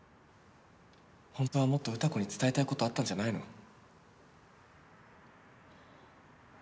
ホントはもっと詩子に伝えたいことあったんじゃないの？